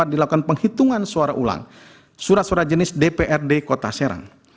dilakukan penghitungan suara ulang surat surat jenis dprd kota serang